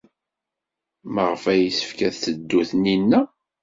Maɣef ay yessefk ad teddu Taninna?